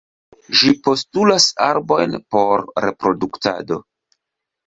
Ĝi postulas arbojn por reproduktado.